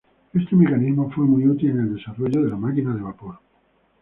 Este mecanismo fue muy útil en el desarrollo de la máquina de vapor.